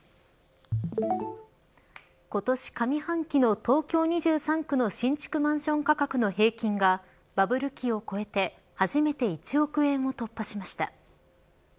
今年上半期の東京２３区の新築マンション価格の平均がバブル期を超えて初めて１億円を突破しました。